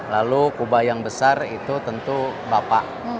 lalu kuba yang besar itu tentu bapak